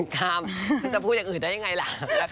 กล้ามจะพูดอย่างอื่นได้อย่างไรล่ะ